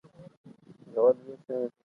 زده کړه د معلولیت مخه نه نیسي.